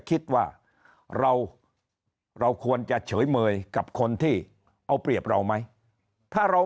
คิดว่าเราเราควรจะเฉยเมยกับคนที่เอาเปรียบเราไหมถ้าเรา